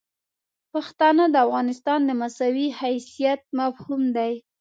پښتانه د افغانستان د مساوي حیثیت مفهوم دي.